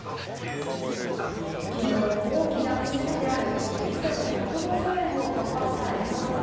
昨日、大きな節目である１ドル＝１５０円を突破した円相場。